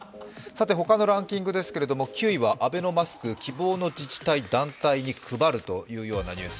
ほかのランキングですけど、９位はアベノマスク、希望の自治体、団体に配るというようなニュース